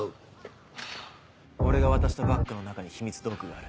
俺が渡したバッグの中に秘密道具がある。